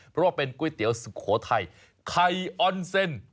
เพราะว่าเป็นก๋วยเตี๋ยวสุโขทัยไข่ออนเซ็น